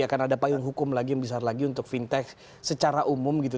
akan ada payung hukum lagi yang besar lagi untuk fintech secara umum gitu